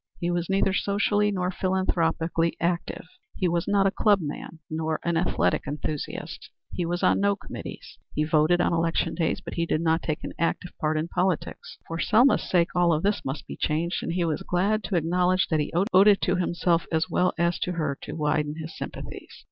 He was neither socially nor philanthropically active; he was not a club man, nor an athletic enthusiast; he was on no committees; he voted on election days, but he did not take an active part in politics. For Selma's sake all this must be changed; and he was glad to acknowledge that he owed it to himself as well as to her to widen his sympathies.